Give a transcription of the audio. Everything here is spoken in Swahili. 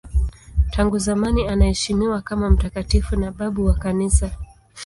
Tangu zamani anaheshimiwa kama mtakatifu na babu wa Kanisa.